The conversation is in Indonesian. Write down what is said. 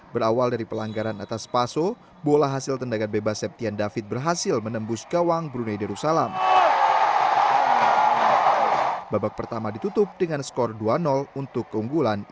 berawal dari pelanggaran atas paso bola hasil tendangan bebas septian david berhasil menembus keunggulan